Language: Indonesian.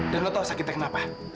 dan kamu tahu sakitnya kenapa